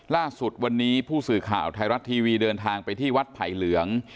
ล่าสุดวันนี้ผู้สื่อข่าวไทยรัฐทีวีเดินทางไปที่วัดไผ่เหลือง